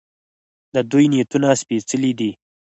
د دوی نیتونه سپیڅلي دي.